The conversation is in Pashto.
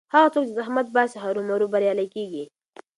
هغه څوک چې زحمت باسي هرو مرو بریالی کېږي.